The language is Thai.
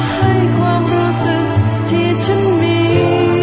ให้ความรู้สึกที่ฉันมี